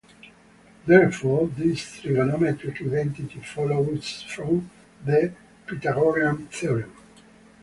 Therefore, this trigonometric identity follows from the Pythagorean theorem.